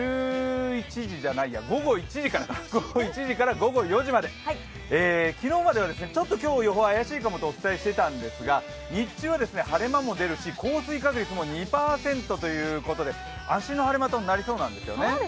午後１時から午後４時まで、昨日まではちょっと今日、予報が怪しいかもとお伝えしていたんですが日中は晴れ間も出るし降水確率も２％ということで晴れ間となりそうなんですよね。